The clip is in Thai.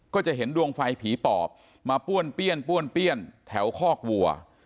ก็จะเห็นดวงไฟผีปอบมาป้วนเปี้ยนป้วนเปี้ยนแถวคอกวัว